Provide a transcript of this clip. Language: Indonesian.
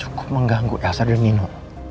cukup mengganggu elsa dan nino